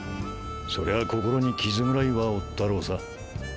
そりゃ心に傷ぐらいは負ったろうさ。